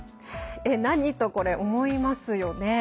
えっ、何？とこれ、思いますよね。